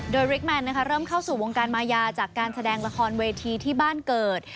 โดยริกแมนเริ่มเข้าสู่วงการมายาจากการแสดงละครเวทีที่บ้านเกิด